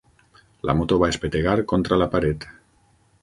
La moto va espetegar contra la paret.